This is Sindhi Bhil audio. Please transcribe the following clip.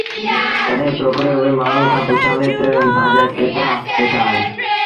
تڏهيݩ ڇوڪري اُئي مآڻهوٚٚݩ کآݩ پُڇيآݩدي تا تآجآ ڪيترآ پيئيٚسآ اهيݩ